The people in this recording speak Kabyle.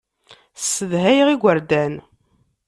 Ssedhayeɣ igerdan.